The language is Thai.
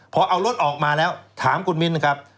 พอเอารถออกมาแล้วถามคุณมิ้นครับ